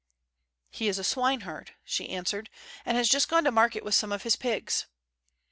"He is a swineherd," she answered, "and has just gone to market with some of his pigs."